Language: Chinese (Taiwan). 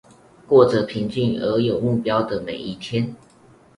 過著平靜而有目標的每一天